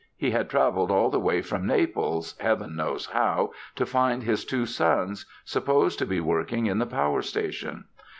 He had travelled all the way from Naples, Heaven knows how, to find his two sons, supposed to be working in the power station.